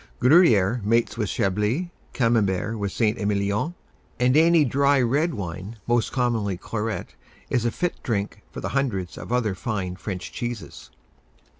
Gruyère mates with Chablis, Camembert with St. Emilion; and any dry red wine, most commonly claret, is a fit drink for the hundreds of other fine French cheeses.